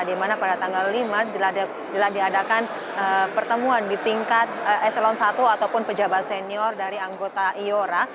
di mana pada tanggal lima diladakan pertemuan di tingkat eselon satu ataupun pejabat senior dari anggota ayora